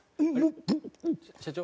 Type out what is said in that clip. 社長？